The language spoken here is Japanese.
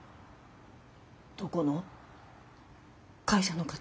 どこの？会社の方？